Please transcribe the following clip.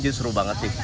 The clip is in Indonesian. jadi seru banget sih